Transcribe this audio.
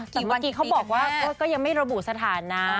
เมื่อกี้เขาบอกว่าก็ยังไม่ระบุสถานะ